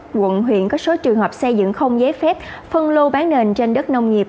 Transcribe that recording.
quận huyện có số trường hợp xây dựng không giấy phép phân lô bán nền trên đất nông nghiệp